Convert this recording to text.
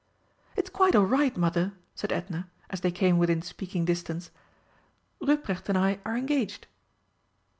"It's quite all right, Mother," said Edna, as they came within speaking distance; "Ruprecht and I are engaged."